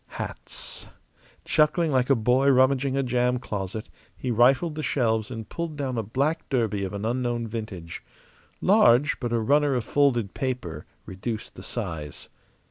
Hats. Chuckling like a boy rummaging a jam closet, he rifled the shelves and pulled down a black derby of an unknown vintage. Large; but a runner of folded paper reduced the size.